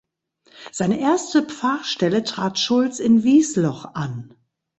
Seine erste Pfarrstelle trat Schulz in Wiesloch an.